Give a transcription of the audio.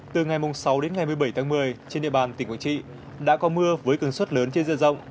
từ ngày sáu đến ngày một mươi bảy tháng một mươi trên địa bàn tỉnh quảng trị đã có mưa với cường suất lớn trên diện rộng